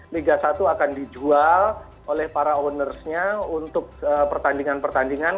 liga satu akan dijual oleh para ownersnya untuk pertandingan pertandingan